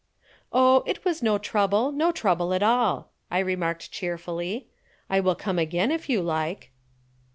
"Oh, it was no trouble; no trouble at all," I remarked cheerfully. "I will come again if you like."